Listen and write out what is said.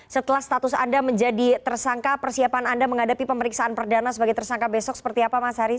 setelah status anda menjadi tersangka persiapan anda menghadapi pemeriksaan perdana sebagai tersangka besok seperti apa mas haris